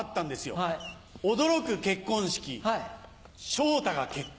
昇太が結婚。